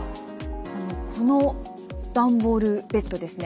この段ボールベッドですね